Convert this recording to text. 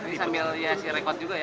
ini sambil ya si rekod juga ya